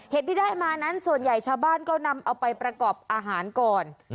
ที่ได้มานั้นส่วนใหญ่ชาวบ้านก็นำเอาไปประกอบอาหารก่อน